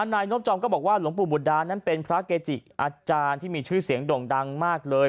นายนบจอมก็บอกว่าหลวงปู่บุตรดานั้นเป็นพระเกจิอาจารย์ที่มีชื่อเสียงด่งดังมากเลย